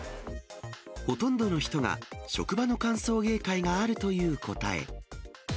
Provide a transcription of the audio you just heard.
ほとんどの人が職場の歓送迎会があるという答え。